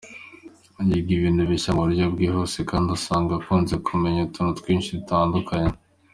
Yiga ibintu bishya mu buryo bwihuse kandi usanga akunze kumenya utuntu twinshi dutandukanye.